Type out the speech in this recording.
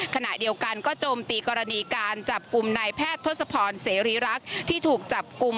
ขณะเดียวกันก็โจมตีกรณีการจับกลุ่มนายแพทย์ทศพรเสรีรักษ์ที่ถูกจับกลุ่ม